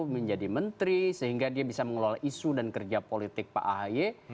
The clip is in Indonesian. menjadi menteri sehingga dia bisa mengelola isu dan kerja politik pak ahy